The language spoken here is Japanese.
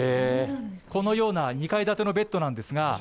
このような２階建てのベッドなんですが。